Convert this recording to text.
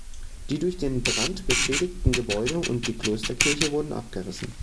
Die durch den Brand beschädigten Gebäude und die Klosterkirche wurden abgerissen.